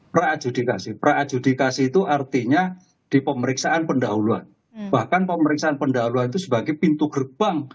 prajudikasi praadjudikasi itu artinya di pemeriksaan pendahuluan bahkan pemeriksaan pendahuluan itu sebagai pintu gerbang